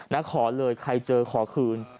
ขอเลยใครเจอขอคืน